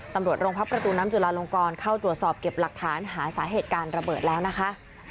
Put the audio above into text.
ตำรวจโรงพักประตูน้ำจุลาลงกรเข้าตรวจสอบเก็บหลักฐานหาสาเหตุการระเบิดแล้วนะคะ